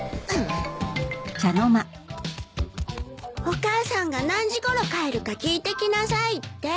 お母さんが何時ごろ帰るか聞いてきなさいって。